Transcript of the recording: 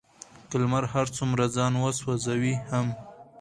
که لمر هر څومره ځان وسوزوي هم،